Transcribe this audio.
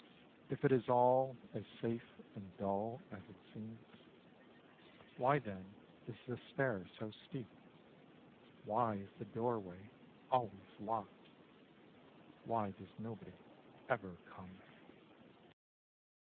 If it is all as safe and dull As it seems? Why then is the stair so steep, Why is the doorway always locked, Why does nobody ever come?